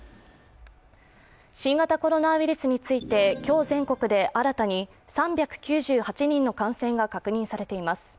新型コロナウイルスについて、今日全国で新たに３９８人の感染が確認されています。